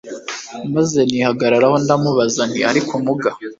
maze nihagararaho ndamubaza nti ariko muga